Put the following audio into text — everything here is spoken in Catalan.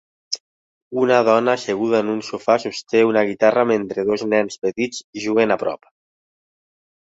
Una dona asseguda en un sofà sosté una guitarra mentre dos nens petits juguen a prop.